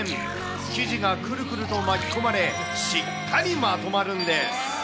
生地がくるくると巻き込まれ、しっかりまとまるんです。